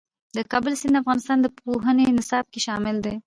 د کابل سیند د افغانستان د پوهنې نصاب کې شامل دی.